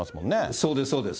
そうです、そうです。